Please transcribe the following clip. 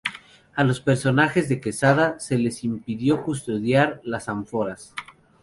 A los personeros de Quesada se les impidió custodiar las ánforas.